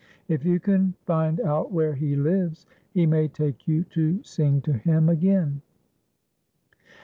If you can find out where lie lives, he may take you to sing to him again."